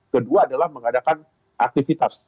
kedua adalah mengadakan aktivitas